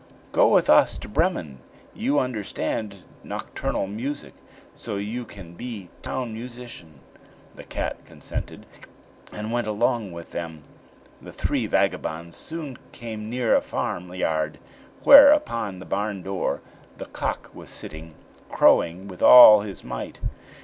"Go with us to Bremen. You understand nocturnal music, so you can be town musician." The cat consented, and went with them. The three vagabonds soon came near a farmyard, where, upon the barn door, the cock was sitting crowing with all his might.